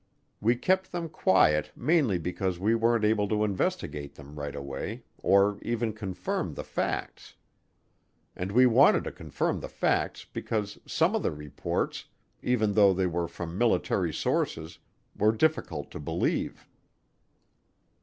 We kept them quiet mainly because we weren't able to investigate them right away, or even confirm the facts. And we wanted to confirm the facts because some of the reports, even though they were from military sources, were difficult to believe.